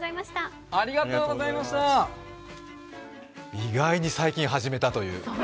意外に最近始めたという。